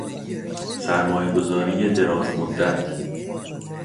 سرمایه گذاری دراز مدت